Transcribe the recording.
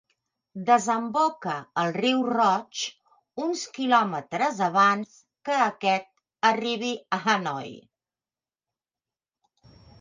Desemboca al riu Roig uns quilòmetres abans que aquest arribi a Hanoi.